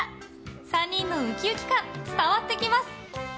３人のウキウキ感伝わってきます。